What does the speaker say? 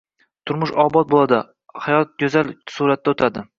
turmush obod bo‘ladi, hayot go‘zal suratda o‘tadi.